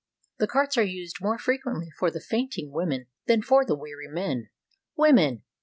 The carts are used more frequently for the fainting women than for the weary man. Women!